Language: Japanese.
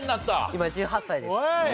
今１８歳です。